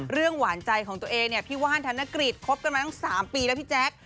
หวานใจของตัวเองเนี่ยพี่ว่านธนกฤษคบกันมาตั้ง๓ปีแล้วพี่แจ๊ค